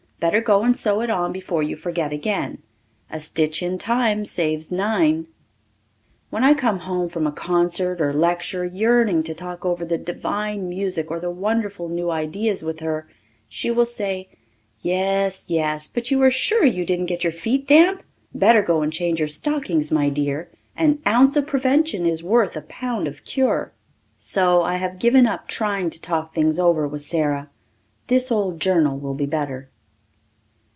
Better go and sew it on before you forget again. 'A stitch in time saves nine.'" When I come home from a concert or lecture, yearning to talk over the divine music or the wonderful new ideas with her, she will say, "Yes, yes, but are you sure you didn't get your feet damp? Better go and change your stockings, my dear. 'An ounce of prevention is worth a pound of cure.'" So I have given up trying to talk things over with Sara. This old journal will be better.